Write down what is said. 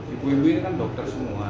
ibu ibu ini kan dokter semua